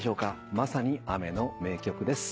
まさに雨の名曲です。